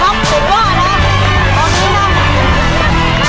พราวนางนะครับตอนนี้นะฮะ